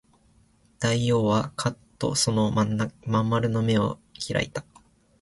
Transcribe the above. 大王はかっとその真ん丸の眼を開いた